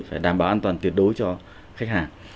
phải đảm bảo an toàn tuyệt đối cho khách hàng